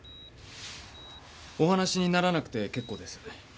お話しにならなくて結構です。